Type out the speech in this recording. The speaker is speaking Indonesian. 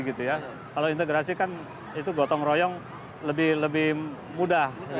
kalau integrasi kan itu gotong royong lebih mudah